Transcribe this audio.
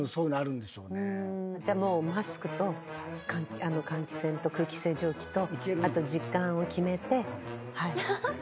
じゃあマスクと換気扇と空気清浄機とあと時間を決めて。